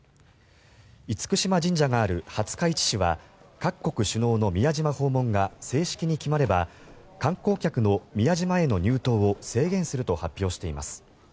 厳島神社がある廿日市市は各国首脳の宮島訪問が正式に決まれば観光客の宮島への入島を制限すると発表しています。